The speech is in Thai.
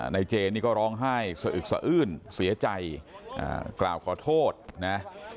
เจนี่ก็ร้องไห้สะอึกสะอื้นเสียใจกล่าวขอโทษนะ